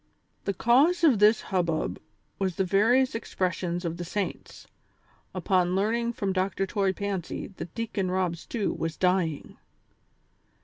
The cause of this hubbub was the various expressions of the saints, upon learning from Dr. Toy Pancy that Deacon Rob Stew was dying.